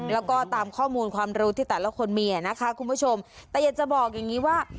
แล้วก็ตามข้อมูลความรู้ที่แต่ละคนมีอ่ะนะคะคุณผู้ชมแต่อยากจะบอกอย่างงี้ว่า